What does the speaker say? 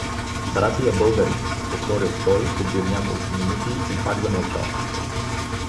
„Братия българи!“ — повторил той подир няколко минути и пак замълчал.